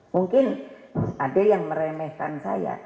mungkin ada yang meremehkan saya